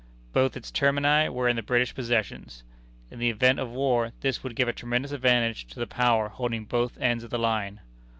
Both its termini were in the British possessions. In the event of war this would give a tremendous advantage to the power holding both ends of the line.